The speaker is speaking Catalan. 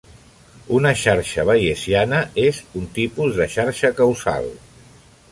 Una xarxa bayesiana és un tipus de xarxa causal.